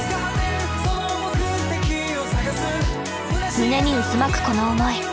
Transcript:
胸に渦巻くこの思い。